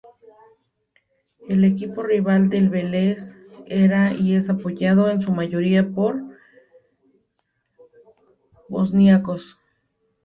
El equipo rival del Velež era y es apoyado en su mayoría por bosníacos.